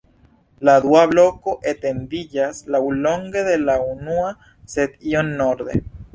La dua bloko etendiĝas laŭlonge de la unua, sed iom norde.